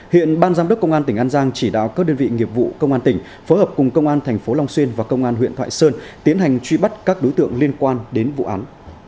hiện ban giám đốc công an tỉnh an giang chỉ đạo các đơn vị nghiệp vụ công an tỉnh phối hợp cùng công an tp long xuyên và công an huyện thoại sơn tiến hành truy bắt các đối tượng liên quan đến vụ án